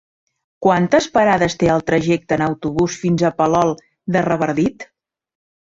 Quantes parades té el trajecte en autobús fins a Palol de Revardit?